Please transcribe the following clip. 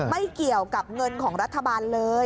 ไม่เกี่ยวกับเงินของรัฐบาลเลย